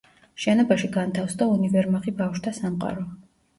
შენობაში განთავსდა უნივერმაღი „ბავშვთა სამყარო“.